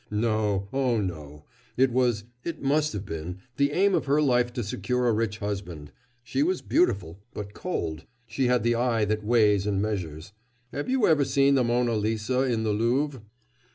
"No, oh, no. It was it must have been the aim of her life to secure a rich husband. She was beautiful, but cold she had the eye that weighs and measures. Have you ever seen the Monna Lisa in the Louvre?"